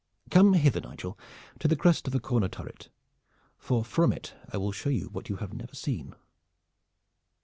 Come hither, Nigel, to the crest of the corner turret, for from it I will show you what you have never seen."